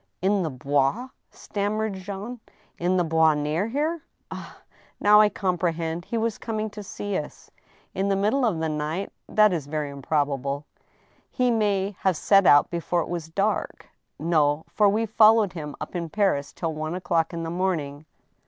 " In the Bois I " stammered Jean. " In the Bois — ^near here ! Ah ! now I comprehend. He was coming to see us." " In the middle of the night ? That is very improbable." " He may have set out before it was dark." " No ; for we followed him up in Paris till one o'clock in the morning."